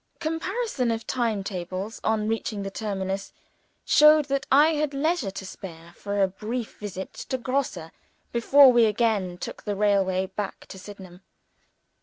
Comparison of time tables, on reaching the terminus, showed that I had leisure to spare for a brief visit to Grosse, before we again took the railway back to Sydenham.